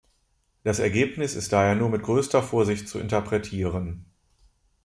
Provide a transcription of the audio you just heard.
Das Ergebnis ist daher nur mit größter Vorsicht zu interpretieren.